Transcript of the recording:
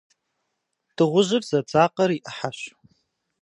Дыгъужьыр зэдзакъэр и ӏыхьэщ.